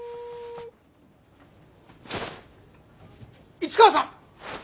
市川さん！